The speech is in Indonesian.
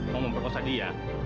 mau memperkosa dia